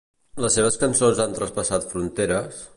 Les seves creacions han traspassat fronteres?